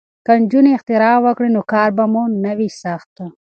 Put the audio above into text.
که نجونې اختراع وکړي نو کار به نه وي سخت.